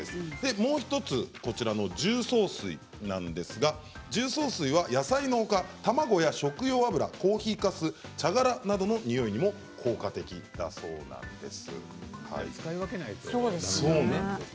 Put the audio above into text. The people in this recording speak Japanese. もう１つ、こちらの重曹水なんですが重曹水は野菜のほか卵や食用油コーヒーかす、茶殻などの使い分けないとだめなのね。